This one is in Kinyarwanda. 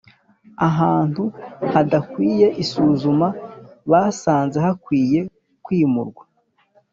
ahantu hadakwiye isuzuma basanze hakwiye kwimurwa